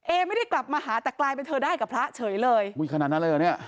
ไม่ได้กลับมาหาแต่กลายเป็นเธอได้กับพระเฉยเลยอุ้ยขนาดนั้นเลยเหรอเนี่ย